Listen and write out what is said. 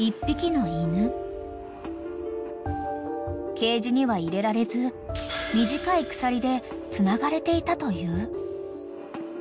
［ケージには入れられず短い鎖でつながれていたという］